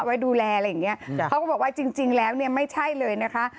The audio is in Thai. ไว้ดูแลอะไรอย่างเงี้ยเขาก็บอกว่าจริงแล้วเนี่ยไม่ใช่เลยนะคะ